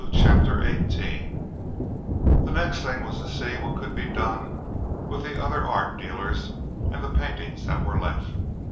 CHAPTER XVIII The next thing was to see what could be done with the other art dealers and the paintings that were left.